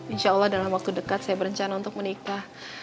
insya allah dalam waktu dekat saya berencana untuk menikah